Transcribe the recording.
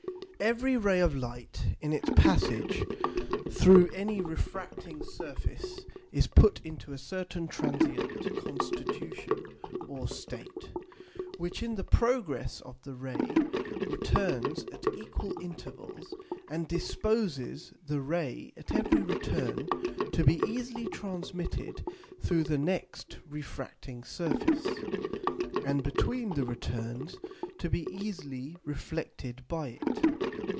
_Every Ray of Light in its passage through any refracting Surface is put into a certain transient Constitution or State, which in the progress of the Ray returns at equal Intervals, and disposes the Ray at every return to be easily transmitted through the next refracting Surface, and between the returns to be easily reflected by it.